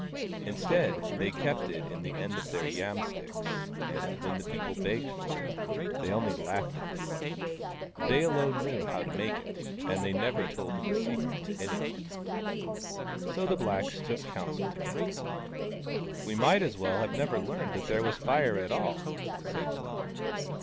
Instead, they kept it in the end of their yam sticks, and when the people begged for it, they only laughed at them. They alone knew how to make it, and they never told the secret to anyone. So the blacks took counsel together. " We might as well have never learned that there was Fire at all," said one.